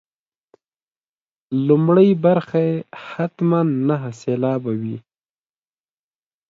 لومړۍ برخه یې حتما نهه سېلابه وي.